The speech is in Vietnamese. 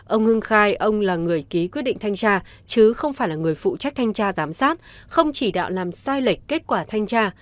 ông hưng khai ông là người ký quyết định thanh tra chứ không phải là người phụ trách thanh tra giám sát không chỉ đạo làm sai lệch kết quả thanh tra